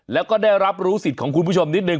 แล้วก็ได้รับรู้สิทธิ์ของคุณผู้ชมนิดนึ